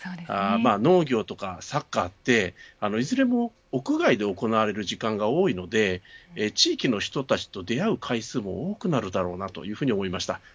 農業とかサッカーっていずれも屋外で行われる時間が多いので地域の人たちと出会う回数も多くなるだろうなというふうに思いました。